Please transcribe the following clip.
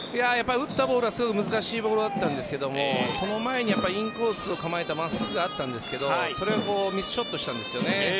打ったボールはすごく難しいボールだったんですがその前にインコースの甘い球真っすぐあったんですがそれをミスショットしたんですよね。